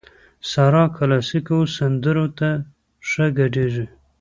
سارا کلاسيکو سندرو ته ښه ګډېږي.